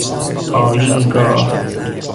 آیین گاه